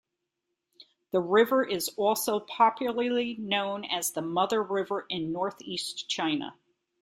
The river is also popularly known as the "mother river" in Northeast China.